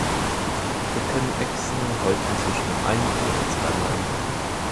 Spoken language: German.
Brückenechsen häuten sich nur ein- oder zweimal im Jahr.